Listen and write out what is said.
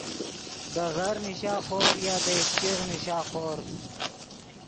دے غر نیشا خور یا دے اِشچیغ نیشا خور